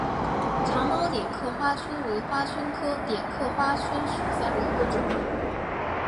长毛点刻花蝽为花蝽科点刻花椿属下的一个种。